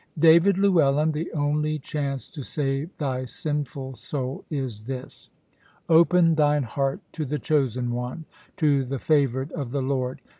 "David Llewellyn, the only chance to save thy sinful soul is this. Open thine heart to the chosen one, to the favoured of the Lord.